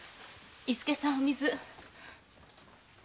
伊助さんお水。